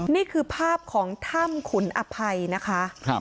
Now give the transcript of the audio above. นี่คือภาพของถ้ำขุนอภัยนะคะ